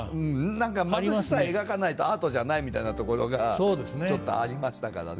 何か貧しさ描かないとアートじゃないみたいなところがちょっとありましたからね。